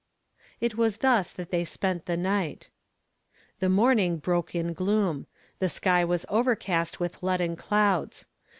It was thus that they spent the night. The morning broke in gloom. The sky was overcast with leaden clouds.